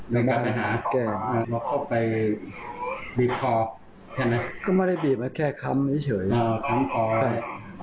ว่าคิดได้ไปหลังเสียใจ